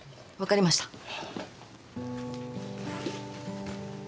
分かりました。